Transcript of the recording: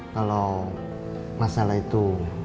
kalau masalah itu